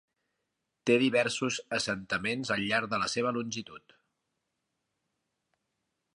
Té diversos assentaments al llarg de la seva longitud.